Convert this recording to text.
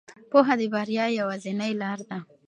پوهه د بریا یوازینۍ لار ده.